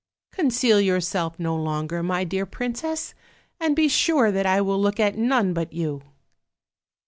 Conceal yourself no longer, my dear princess, and be sure that I will look at none but you."